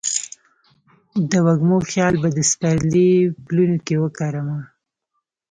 د وږمو خیال به د سپرلي پلونو کې وکرمه